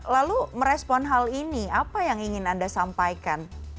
lalu merespon hal ini apa yang ingin anda sampaikan